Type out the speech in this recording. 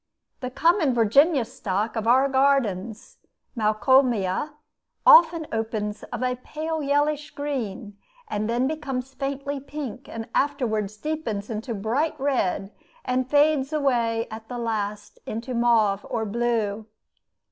The common Virginia stock of our gardens (Malcolmia) often opens of a pale yellowish green, then becomes faintly pink; afterward deepens into bright red; and fades away at the last into mauve or blue.